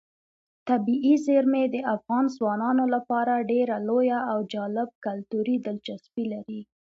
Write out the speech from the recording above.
طبیعي زیرمې د افغان ځوانانو لپاره ډېره لویه او جالب کلتوري دلچسپي لري.